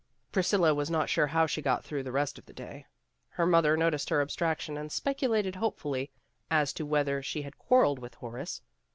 Priscilla was not sure how she got through the rest of the day. Her mother noticed her abstraction and speculated hopefully as to whether she had quarreled with Horace.